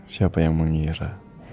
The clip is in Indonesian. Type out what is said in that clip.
siapa yang mengira